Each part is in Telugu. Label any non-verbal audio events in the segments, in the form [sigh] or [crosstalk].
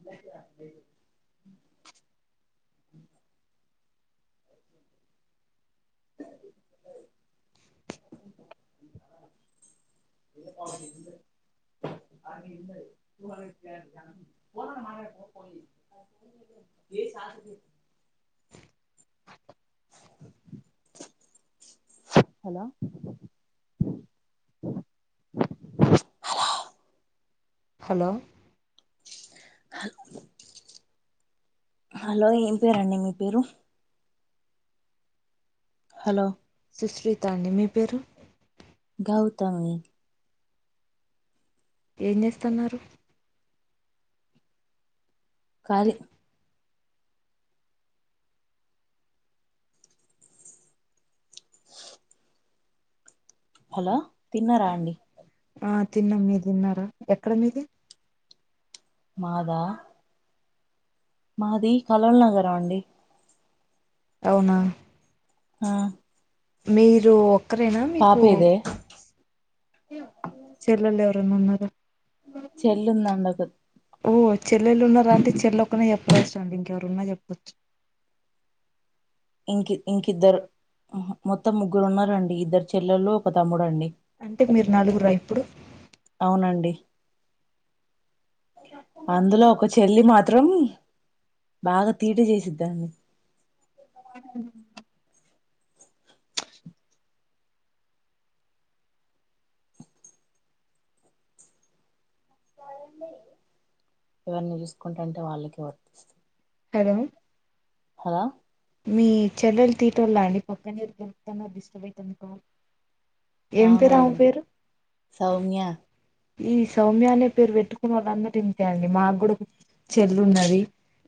[inaudible] దగ్గర ఏ [inaudible] hello hello hello hello hello ఏం పేరండి మీ పేరు హలో సుస్వీత అండి మీ పేరు గౌతమి ఏం చేస్తున్నారు కాలి హలో తిన్నారా అండి ఆ తిన్నాం మీరు తిన్నారా ఎక్కడ మీది మాదా మాది కలల్ నగరం అండి అవునా ఆ మీరు ఒక్కరేనా మీకు పాపేదే చెల్లెలు ఎవ అర్ ఉన్నర చెల్ందండి ఒకటి ఓ చెల్లెళ్లు ఉన్నార అంటే చెల్ల ఒక్కనే చెప్పరాచ్చు అండి ఇంకెవరున్నా చెప్పొచ్చు ఇంకి ఇంకిద్దరు అహ మొత్తం ముగ్గురు ఉన్నారండి ఇద్దరు చెల్లెల్లు ఒక తమ్ముడు అండి అంటే మీరు నలుగురా ఇప్పుడు అవునండి అందులో ఒక చెల్లి మాత్రం బాగా తీట చేసిద్దాండి. ఎవర్ని చూసుకుంటాంటే వాళ్ళకే వర్తిస్తది హలో హా మీ చెల్లెలు తీటోళ్ళ అండి పక్కన [unintelligible] డిస్టర్బ్ అయితంది కాల్ ఏం పేరు ఆమె అవునాండి పేరు సౌమ్య ఈ సౌమ్య అనే పేరు పెట్టుకున్న వాళ్ళందరూ ఇంతే అండి మాకు కూడా చెల్లు ఉన్నది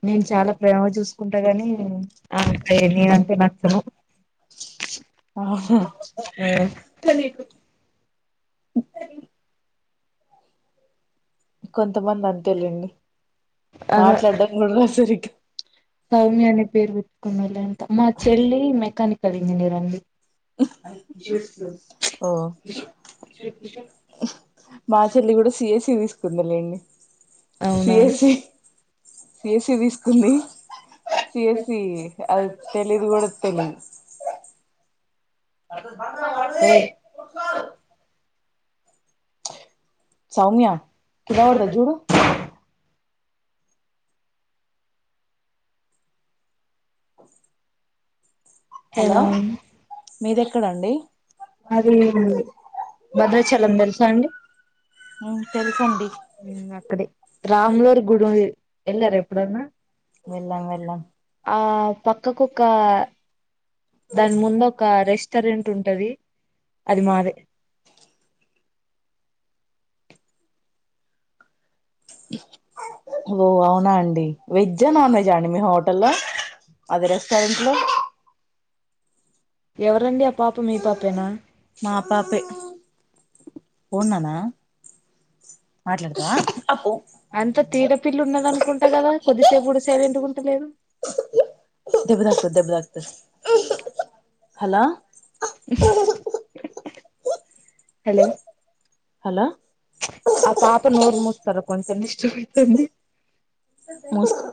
నేను చాలా ప్రేమ చూసుకుంటా గాని అకా నన అంటే నచ్చను అవును స కొంత కొంతమంది అంతేలేండి అదే మాట్లాడ్డం కూడా రాద్ సరిగ్గా, కోమల్లి ఆ అండి ఓ మా చెల్లి కూడా సిఎస్సి తీసుకుందిలేండి. అవునా సిఎస్సి సిఎస్సి తీసుకుంది సిఎస్సి అద్. తెలి ఇదు కూడాడు తెలి అ సౌమ్య కద అడత జూడు హలో ఎలా మీది ఎక్కడండి అది భద్రాచలం తెలుసా అండి తెదిసండి ఉమ్ అక్కడే రాములూరు గుడి ఎల్లారా ఎప్పుడన్నా వెళ్లం వెళ్లం ఆ పక్కకు ఒక దాని ముందు ఒక రెస్టారెంట్ ఉంటది అది మాది ఓ అవునా అండి వెజ్ నాన్ వెజా అండి మీ హోటల్ లో అది రెస్టారెంట్ లో ఎవరండి ఆ పాప మీ పాపేనా ఓ నాన్న మాట్లాడతవా అప్పొ అంత తీట తీట పిల్ల ఉన్నది అనుకుంటా కదా, కొద్దిసేపు గూడ సైలెంట్ గా ఉంటలేదు. దెబ్బ తాకుతది దెబ్బ తాకుతది హలో అ హలో హలో ఆ పాప నోరు మూస్తార కొంచం డిస్టర్బ్ అయితాంది మూసుకో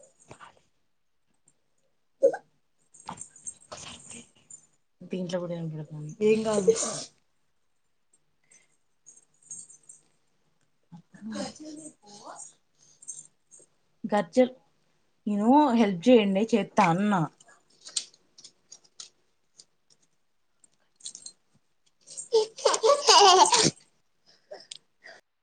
అ దీంట్లో కూడా ఏం లేవు ఏం కాదు పో గర్చర్ నేను హెల్ప్ చేయండి చేత్తా అన్నా